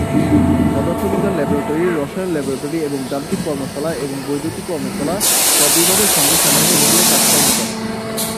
পদার্থবিজ্ঞান ল্যাবরেটরি, রসায়ন ল্যাবরেটরি, এবং যান্ত্রিক কর্মশালা এবং বৈদ্যুতিক কর্মশালা, সব বিভাগের সঙ্গে সমন্বয় ঘটিয়ে কাজকর্ম করে।